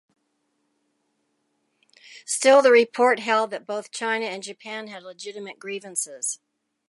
Still, the report held that both China and Japan had legitimate grievances.